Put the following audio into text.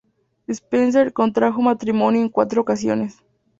Spencer contrajo matrimonio en cuatro ocasiones.